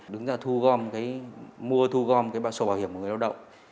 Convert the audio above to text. đứng ra thu gom mua thu gom cái sổ bảo hiểm của người lao động